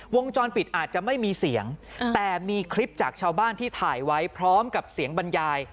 วงจรปิดอาจจะไม่มีเสียงแต่มีคลิปจากชาวบ้านที่ถ่ายไว้พร้อมกับเสียงบรรยาย